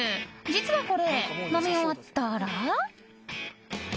実はこれ、飲み終わったら。